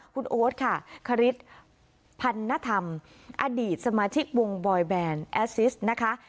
คุณโอ๊ตค่ะคฤทธิพันธรรมอดีตสมาชิกวงบอยแบรนด์แอซิสต์นะคะ